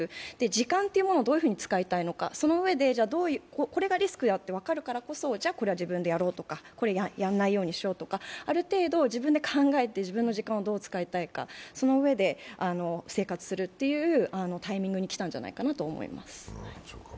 時間というものをどういうふうに使いたいのか、そのうえでこれがリスクだと分かるからじゃ、これは自分でやろうとか、これはやらないようにしようとかある程度自分で考えて自分の時間をどう使いたいか、そのうえで生活するというタイミングに来たんじゃないかなと思います。